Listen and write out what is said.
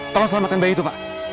tolong selamatkan bayi itu pak